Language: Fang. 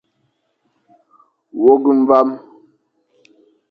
Wôkh mvam.